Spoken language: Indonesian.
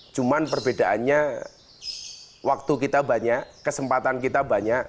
cuma perbedaannya waktu kita banyak kesempatan kita banyak